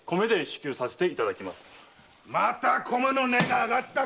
また米の値があがったか！